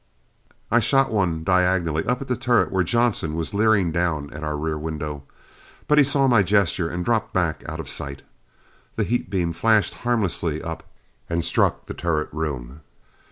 I shot one diagonally up at the turret where Johnson was leering down at our rear window, but he saw my gesture and dropped back out of sight. The heat beam flashed harmlessly up and struck the turret room.